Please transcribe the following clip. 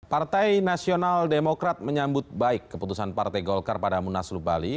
partai nasional demokrat menyambut baik keputusan partai golkar pada munaslu bali